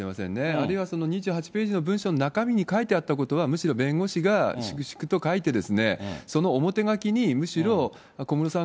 あるいはその２８ページの文書の中身に書いてあったことは、むしろ弁護士が粛々と書いてですね、その表書きに、むしろ小室さん